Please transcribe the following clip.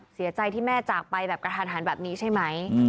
เสียใจที่แม่จากไปแบบกระทันหันแบบนี้ใช่ไหม